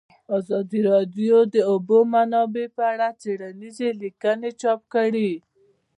ازادي راډیو د د اوبو منابع په اړه څېړنیزې لیکنې چاپ کړي.